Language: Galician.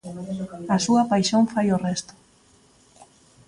A súa paixón fai o resto.